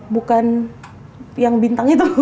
bukan yang bintangnya tuh